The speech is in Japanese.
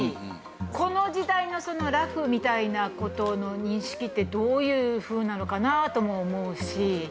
この時代のその裸婦みたいな事の認識ってどういうふうなのかなとも思うし。